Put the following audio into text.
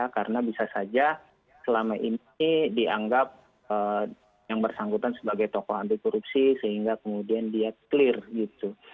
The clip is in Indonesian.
karena bisa saja selama ini dianggap yang bersangkutan sebagai tokoh anti korupsi sehingga kemudian dia clear gitu